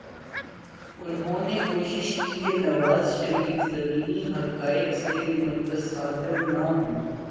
انہوں نے کوشش کی کہ نواز شریف زمینی حقائق سے متصادم نہ ہوں۔